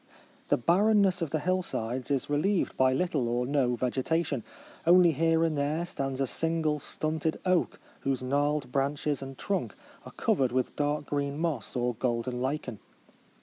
The barren ' ness of the hillsides is relieved by little or no vegetation. Only here and there stands a single stunted oak, whose gnarled branches and trunk are covered with dark green moss or golden lichen.